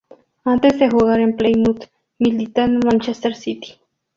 Antes de jugar en Plymouth militó en el Manchester City.